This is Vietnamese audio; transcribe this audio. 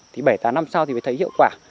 thì bảy tám năm sau thì mới thấy hiệu quả